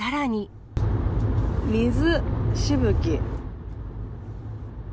水しぶき。